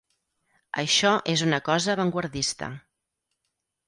Això és una cosa avantguardista.